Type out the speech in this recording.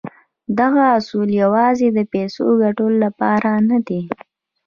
دغه اصول يوازې د پيسو ګټلو لپاره نه دي.